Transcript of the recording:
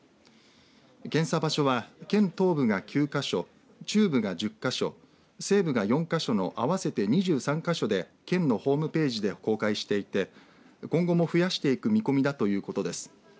検査場所は、県東部が９か所中部が１０か所西部が４か所の合わせて２３か所で県のホームページで公開していて今後も増やしていく見込みだということです。